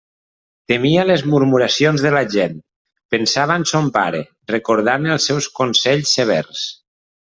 Temia les murmuracions de la gent; pensava en son pare, recordant els seus consells severs.